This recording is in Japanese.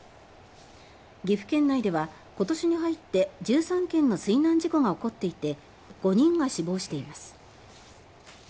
岐阜県内では今年に入って１３件の水難事故が起こっていて５人が死亡しています。